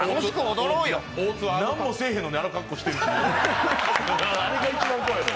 大津は何もせえへんのにあんな格好してる。